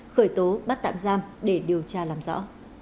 khởi tố bắt tạm giam để điều tra làm rõ